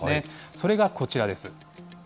それがこちらです。